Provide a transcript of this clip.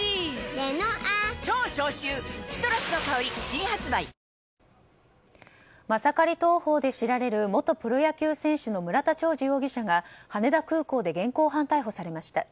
「ほんだし」でマサカリ投法で知られる元プロ野球選手の村田兆治容疑者が羽田空港で現行犯逮捕されました。